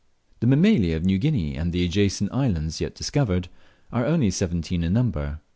The Mammalia of New Guinea and the adjacent islands, yet discovered, are only seventeen in number.